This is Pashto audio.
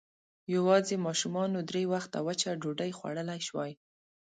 يواځې ماشومانو درې وخته وچه ډوډۍ خوړلی شوای.